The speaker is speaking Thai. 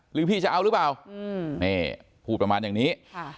หรือพี่จะเอาหรือเปล่านี่พูดประมาณอย่างนี้